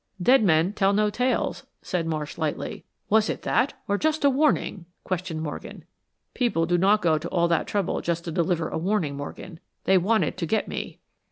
"'Dead men tell no tales'," said Marsh, lightly. "Was it that, or just a warning?" questioned Morgan. "People do not go to all that trouble just to deliver a warning, Morgan. They wanted to get me."